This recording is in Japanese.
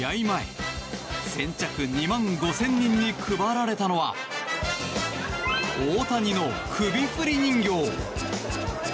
前、先着２万５０００人に配られたのは大谷の首振り人形。